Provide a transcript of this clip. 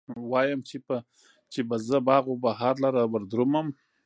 وايم، چې به زه باغ و بهار لره وردرومم